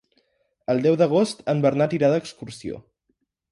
El deu d'agost en Bernat irà d'excursió.